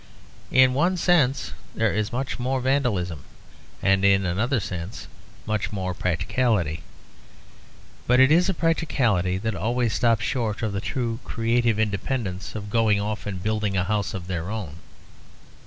In one sense there is much more vandalism, and in another sense much more practicality; but it is a practicality that always stops short of the true creative independence of going off and building a house of their own.